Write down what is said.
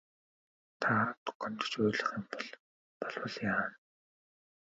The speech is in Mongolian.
Та аавд гомдож уйлах юм болбол яана.